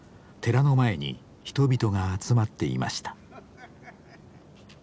寺の前に人々が集まっていました。